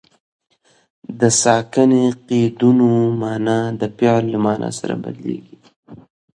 د ساکني قیدونو مانا د فعل له مانا سره بدلیږي.